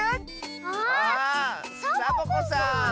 あサボ子さん。